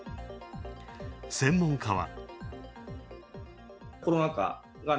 専門家は。